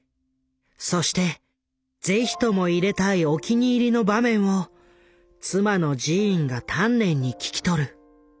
そして是非とも入れたいお気に入りの場面を妻のジーンが丹念に聞き取る。